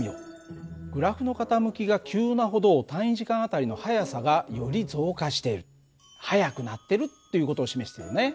グラフの傾きが急なほど単位時間あたりの速さがより増加している速くなってるっていう事を示してるよね。